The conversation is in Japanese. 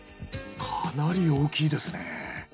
かなり大きいですね。